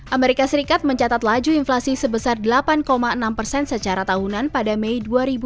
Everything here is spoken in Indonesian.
amerika serikat mencatat laju inflasi sebesar delapan enam persen secara tahunan pada mei dua ribu dua puluh